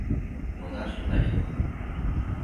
我拿十块就好